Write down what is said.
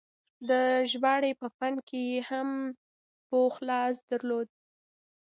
د ژباړې په فن کې یې هم پوخ لاس درلود.